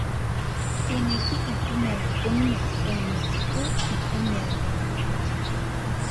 Ke ne ke itumela gonne o ne o itumela.